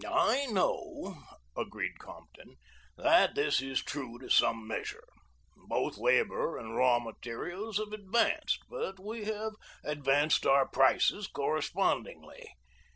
"I know," agreed Compton, "that that is true to some measure. Both labor and raw materials have advanced, but we have advanced our prices correspondingly.